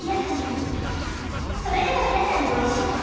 それでは皆さんご一緒に。